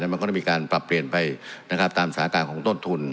มันก็จะมีปรับเปลี่ยนไปตามสถาตรณ์ต้นทุน